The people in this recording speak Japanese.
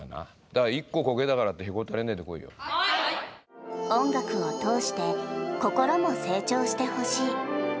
だから１個こけたからって、音楽を通して、心も成長してほしい。